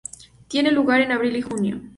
Tiene lugar en abril y junio.